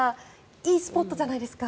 いいスポットじゃないですか。